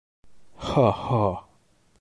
Һо-һо!